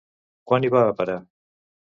Quan hi va a parar?